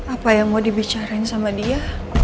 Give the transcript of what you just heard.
apa yang mau dibicarain sama dia